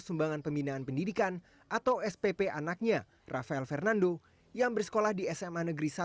sumbangan pembinaan pendidikan atau spp anaknya rafael fernando yang bersekolah di sma negeri satu